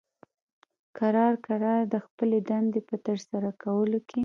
کرار کرار د خپلې دندې په ترسره کولو کې